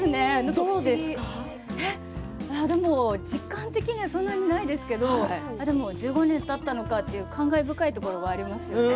でも実感的にはそんなにないですけれど１５年たったのかという感慨深いところはありますね。